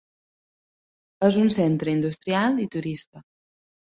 És un centre industrial i turista.